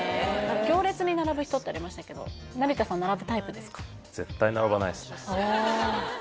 行列に並ぶ人ってありましたけど成田さん並ぶタイプですか？